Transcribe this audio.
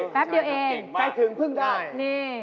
แป๊บเดียวเองใจถึงเพิ่งได้นี่